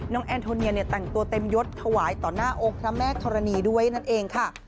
แอนโทเนียเนี่ยแต่งตัวเต็มยดถวายต่อหน้าองค์พระแม่ธรณีด้วยนั่นเองค่ะ